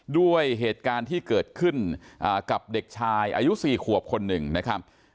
ด้วยเหตุการณ์ที่เกิดขึ้นกับเด็กชายอายุ๔ขวบคนหนึ่งนะครับ